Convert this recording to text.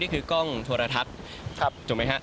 นี่คือกล้องโทรทัศน์จบไหมครับ